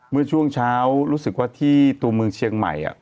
เมื่อช่วงเช้ารู้สึกว่าที่ตัวเมืองเชียงใหม่